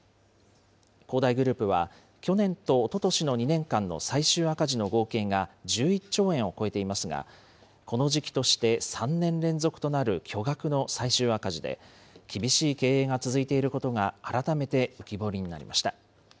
恒大グループは、去年とおととしの２年間の最終赤字の合計が１１兆円を超えていますが、この時期として３年連続となる巨額の最終赤字で、厳しい経営が続いていることが改めて浮き彫りになりました。